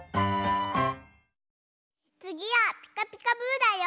つぎは「ピカピカブ！」だよ。